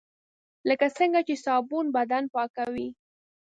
لکه څنګه چې صابون بدن پاکوي .